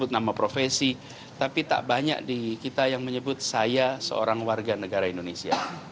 nama profesi tapi tak banyak di kita yang menyebut saya seorang warga negara indonesia